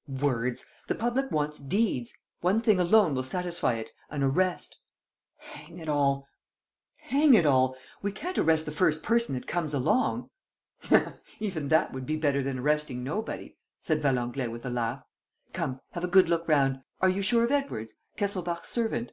..." "Words! The public wants deeds! One thing alone will satisfy it: an arrest." "Hang it all! Hang it all! We can't arrest the first person that comes along!" "Even that would be better than arresting nobody," said Valenglay, with a laugh. "Come, have a good look round! Are you sure of Edwards, Kesselbach's servant?"